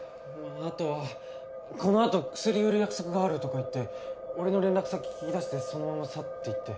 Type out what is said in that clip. あとはこのあとクスリ売る約束があるとか言って俺の連絡先聞き出してそのまま去っていって。